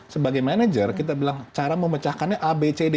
sebagai manager kita bilang cara memecahkannya a b c d